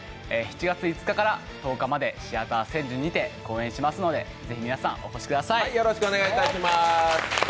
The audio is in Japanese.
７月５日から１０日までシアター１０１０にて公演しますのでぜひ皆さん、お越しください。